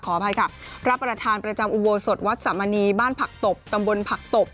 อภัยค่ะพระประธานประจำอุโบสถวัดสามณีบ้านผักตบตำบลผักตบ